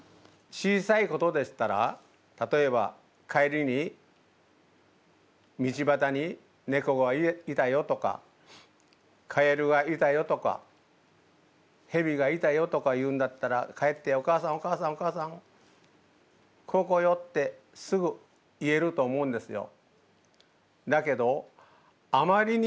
小さいことでしたら例えば「帰りに道端にネコがいたよ」とか「カエルがいたよ」とか「ヘビがいたよ」とか言うんだったら帰って「お母さんお母さんお母さんこうこうよ」ってすぐ言えると思うんですよ。